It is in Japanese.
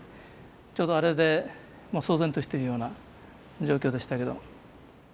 ちょうどあれで騒然としてるような状況でしたけど。